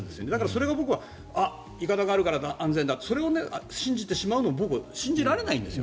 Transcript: それを僕はいかだがあるから安全だとそれを信じてしまうのは僕は信じられないんです。